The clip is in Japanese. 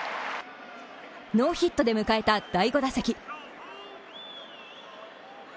ノーヒットで迎えた第５打席。